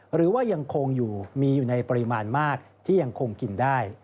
หรือว่ายังคงอยู่มีอยู่ในปริมาณมากที่ยังคงกินได้